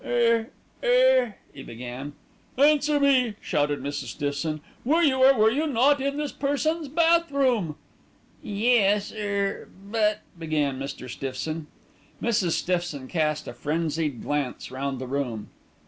"Er er " he began. "Answer me!" shouted Mrs. Stiffson. "Were you or were you not in this person's bath room?" "Yes er but " began Mr. Stiffson. Mrs. Stiffson cast a frenzied glance round the room.